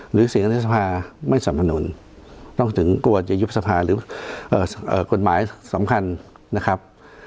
หรือเสียงรัฐสภาไม่สนับสนุนต้องถึงกลัวจะยุบสภาหรือกฎหมายสำคัญนะครับ